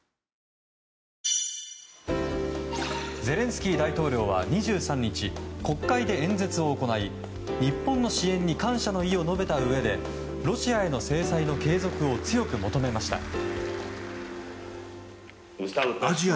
ゼレンスキー大統領は２３日、国会で演説を行い日本の支援に感謝の意を述べたうえでロシアへの制裁の継続を強く求めました。